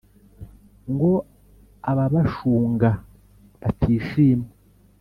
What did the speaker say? Ngo ababashunga batishima,